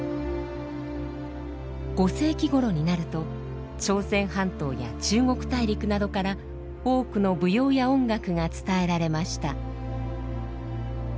５世紀ごろになると朝鮮半島や中国大陸などから多くの舞踊や音楽が伝えられました。